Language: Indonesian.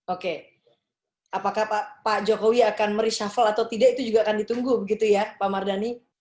oke apakah pak jokowi akan mereshuffle atau tidak itu juga akan ditunggu begitu ya pak mardhani